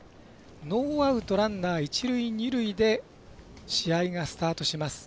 ノーアウトランナー、一塁、二塁で試合がスタートします。